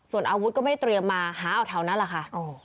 ส่วนอาวุธก็ไม่ได้เตรียมมาหาออกเท่านั้นล่ะค่ะอ๋อ